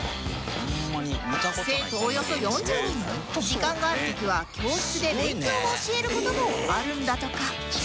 生徒およそ４０人時間がある時は教室で勉強を教える事もあるんだとか